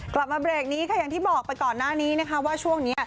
กลับมาเบรกนี้ค่ะอย่างที่บอกไปก่อนหน้านี้นะคะว่าช่วงนี้